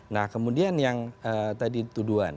nah kemudian yang tadi tuduhan